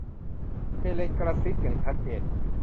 เฮเลนกระซิบอย่างชัดเจน